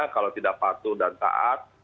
kalau tidak patuh dan taat